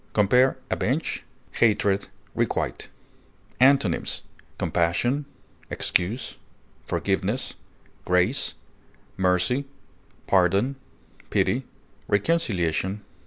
Compare AVENGE; HATRED; REQUITE. Antonyms: compassion, forgiveness, mercy, pardon, pity, reconciliation.